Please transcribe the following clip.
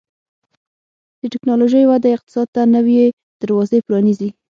د ټکنالوژۍ وده اقتصاد ته نوي دروازې پرانیزي.